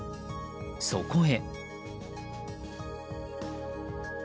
そこへ。